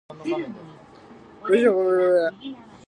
文章が自在で非常に巧妙なこと。